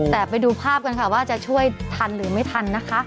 แต่ไปดูภาพกันค่ะว่าจะช่วยทันหรือไม่ทันนะคะ